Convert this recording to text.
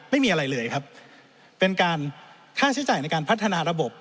ไม่มีอะไรเลยครับเป็นการค่าใช้จ่ายในการพัฒนาระบบ